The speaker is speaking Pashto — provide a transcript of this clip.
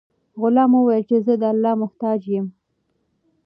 غلام وویل چې زه د الله محتاج یم.